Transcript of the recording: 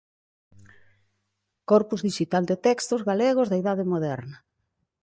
Corpus dixital de textos galegos da Idade Moderna.